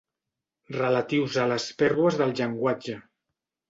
Relatius a les pèrdues del llenguatge.